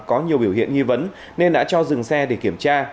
có nhiều biểu hiện nghi vấn nên đã cho dừng xe để kiểm tra